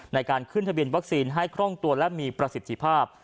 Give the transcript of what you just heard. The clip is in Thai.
ในการขึ้นทะเบียนวัคซีนให้คล่องตัวและมีประสิทธิภาพ